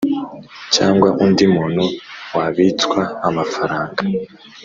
cyangwa undi muntu wabitswa amafaranga